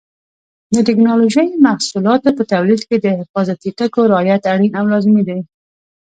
د ټېکنالوجۍ محصولاتو په تولید کې د حفاظتي ټکو رعایت اړین او لازمي دی.